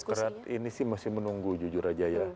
demokrat ini sih masih menunggu jujur aja ya